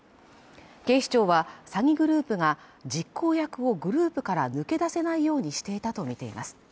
警視庁は詐欺グループが実行役をグループから抜け出せないようにしていたとみています